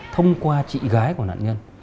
thông qua chị gái của nạn nhân